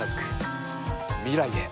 未来へ。